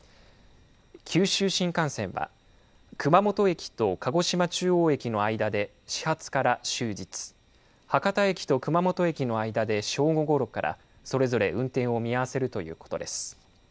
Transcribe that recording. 九州新幹線は熊本駅と鹿児島中央駅の間で始発から終日博多駅と熊本駅の間で正午ごろからそれぞれ運転を見合わせるということです。